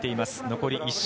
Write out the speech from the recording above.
残り１周。